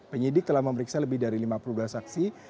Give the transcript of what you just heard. penyidik telah memeriksa lebih dari lima puluh dua saksi